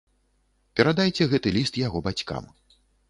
Перадайце гэты ліст яго бацькам.